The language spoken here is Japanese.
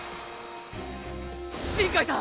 新開さん！